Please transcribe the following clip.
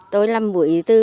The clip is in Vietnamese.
tôi là mụy tư